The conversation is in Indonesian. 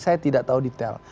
saya tidak tahu detail